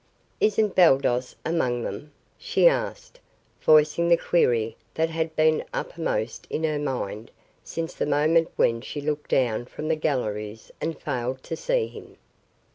"Isn't Baldos among them?" she asked, voicing the query that had been uppermost in her mind since the moment when she looked down from the galleries and failed to see him.